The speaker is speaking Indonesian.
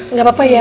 nggak apa apa ya